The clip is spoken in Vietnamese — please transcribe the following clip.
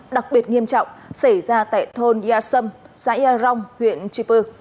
đặc biệt nghiêm trọng xảy ra tại thôn yà sâm xã yà rong huyện chư pư